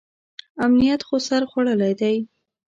امنیت خو سر خوړلی دی.